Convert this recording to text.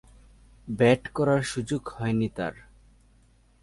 Bat করার সুযোগ হয়নি তার।